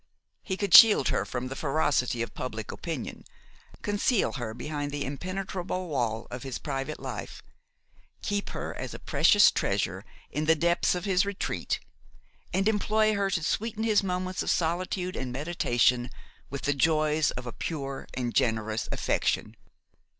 He could shield her from the ferocity of public opinion, conceal her behind the impenetrable wall of his private life, keep her as a precious treasure in the depths of his retreat, and employ her to sweeten his moments of solitude and meditation with the joys of a pure and generous affection.